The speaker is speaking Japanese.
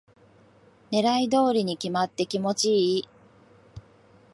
狙い通りに決まって気持ちいい